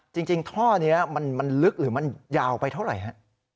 จริงท่อนี้มันลึกหรือมันยาวไปเท่าไหร่ฮะ